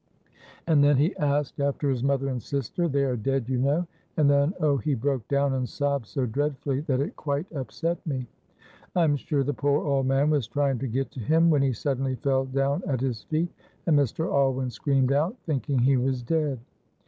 And then he asked after his mother and sister they are dead, you know. And then, oh, he broke down and sobbed so dreadfully that it quite upset me. "I am sure the poor old man was trying to get to him when he suddenly fell down at his feet, and Mr. Alwyn screamed out, thinking he was dead."